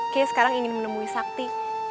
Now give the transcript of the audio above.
kayaknya sekarang ingin menemui sakti